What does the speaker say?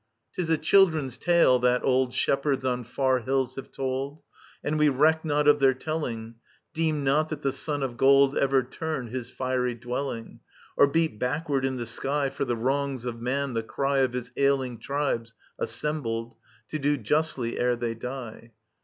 *Tis a children's tale, that old [Antistrophe 2. Shepherds on far hills have told ; And we reck not of their telling. Deem not that the Sun of gold Ever turned his fiery dwelling. Or beat backward in the sky, For the wrongs of man, the cry Of his ailing tribes assembled. To do justly, ere they die